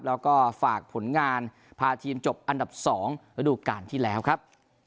แล้วก็ฝากผลงานพาทีมจบอันดับ๒ระดูการที่แล้วครับ